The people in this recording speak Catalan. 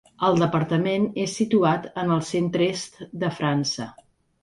El departament és situat en el centre-est de França.